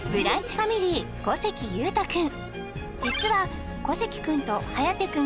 ファミリー小関裕太くん